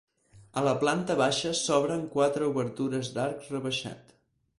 A la planta baixa s'obren quatre obertures d'arc rebaixat.